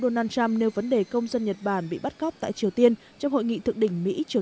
donald trump nêu vấn đề công dân nhật bản bị bắt cóc tại triều tiên trong hội nghị thượng đỉnh mỹ triều